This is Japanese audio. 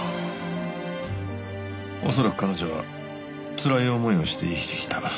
恐らく彼女はつらい思いをして生きてきた。